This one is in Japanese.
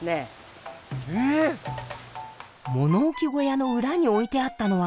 物置小屋の裏に置いてあったのは？